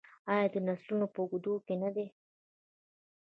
آیا د نسلونو په اوږدو کې نه دی؟